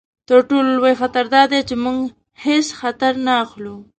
تر ټولو لوی خطر دا دی چې موږ هیڅ خطر نه اخلو.